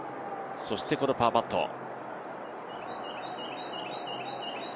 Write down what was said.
そしてこのパーパット。